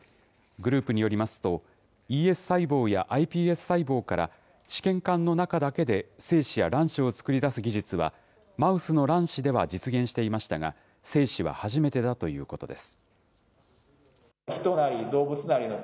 グループによりますと、ＥＳ細胞やｉＰＳ細胞から試験管の中だけで精子や卵子を作り出す技術は、マウスの卵子では実現していましたが、精子は初めてだということです。